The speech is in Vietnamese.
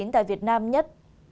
tại việt nam nhất